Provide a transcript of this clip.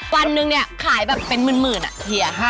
วันนึงเนี่ยขายแบบเป็นหมื่นอ่ะเฮีย